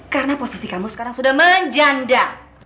karena posisi kamu sekarang sudah menjanda